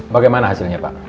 bagaimana hasilnya pak